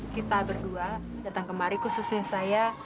kita berdua datang kemari khususnya saya